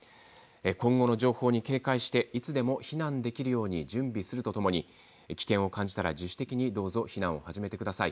今後の情報に警戒していつでも避難できるように準備するとともに危険を感じたら自主的に避難を始めてください。